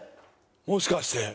もしかして。